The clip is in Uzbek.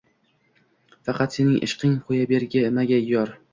Faqat sening ishqing qo‘ybermagay, yor.